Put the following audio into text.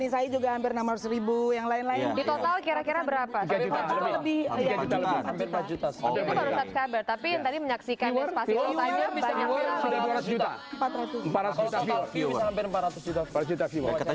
enam ratus nisai juga hampir enam ratus yang lain lain kira kira berapa lebih lebih tapi tadi menyaksikan